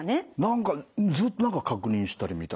何かずっと何か確認したり見たり。